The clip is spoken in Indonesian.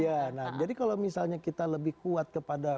iya nah jadi kalau misalnya kita lebih kuat kepada